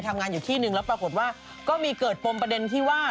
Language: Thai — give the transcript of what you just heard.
ตอนนี้ที่มีข่าวว่า